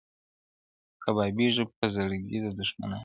• کبابیږي به زړګی د دښمنانو -